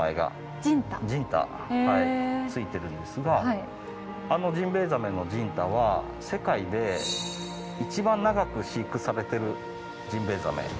ジンタ付いてるんですがあのジンベエザメのジンタは世界で一番長く飼育されてるジンベエザメです。